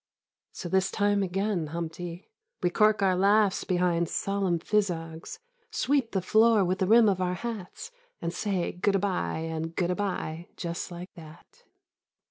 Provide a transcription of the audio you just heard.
So this time again, Humpty, We cork our laughs behind solemn phizzogs, Sweep the floor with the rim of our hats And say good a by and good a by, just like that.